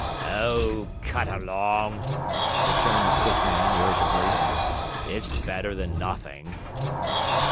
'O, cut along!' returned the sick man, irritably. 'It's better than nothing.'